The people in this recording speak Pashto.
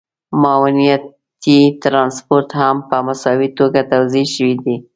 معاونيتي ټرانسپورټ هم په مساوي توګه توزیع شوی دی